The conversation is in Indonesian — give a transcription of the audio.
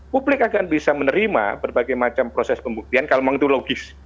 publik akan bisa menerima berbagai macam proses pembuktian kalau memang itu logis